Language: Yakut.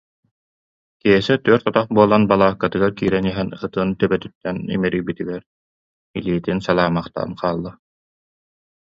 Киэсэ түөрт атах буолан балааккатыгар киирэн иһэн, ытын төбөтүттэн имэрийбитигэр илиитин салаамахтаан хаалла